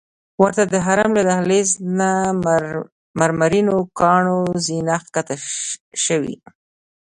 ورته د حرم له دهلیز نه مرمرینو کاڼو زینه ښکته شوې.